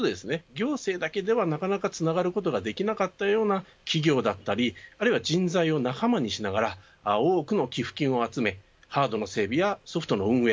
行政だけではなかなかつながることができなかったような企業だったりあるいは人材を仲間にしながら多くの寄付金を集めハードの整備やソフトの運営